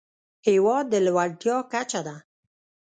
هېواد د لوړتيا کچه ده.